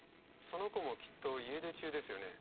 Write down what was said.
その子もきっと家出中ですよね